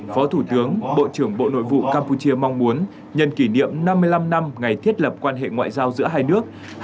phó thủ tướng bộ trưởng bộ nội vụ campuchia mong muốn nhân kỷ niệm năm mươi năm năm ngày thiết lập quan hệ ngoại giao giữa hai nước